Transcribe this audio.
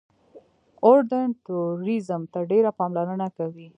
اردن ټوریزم ته ډېره پاملرنه کوي.